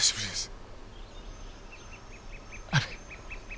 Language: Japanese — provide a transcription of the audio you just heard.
あれ？